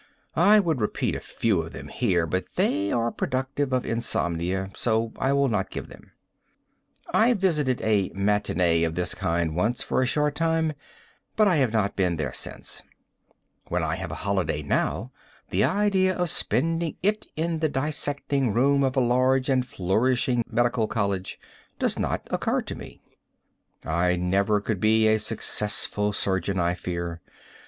I would repeat a few of them here, but they are productive of insomnia, so I will not give them. I visited a matinee of this kind once for a short time, but I have not been there since. When I have a holiday now, the idea of spending it in the dissecting room of a large and flourishing medical college does not occur to me. I never could be a successful surgeon, I fear.